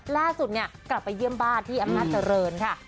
ล่าสุดเนี่ยกลับไปเยี่ยมบ้านที่อำนาจเจริญค่ะ